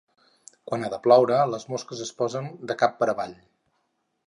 Quan ha de ploure, les mosques es posen de cap per avall.